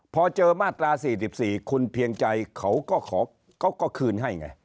พอเจอมาตราสี่สิบสี่คุณเพียงใจเขาก็ขอเขาก็คืนให้ไง